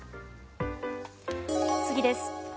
次です。